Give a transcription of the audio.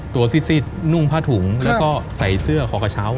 ซิดนุ่งผ้าถุงแล้วก็ใส่เสื้อคอกระเช้า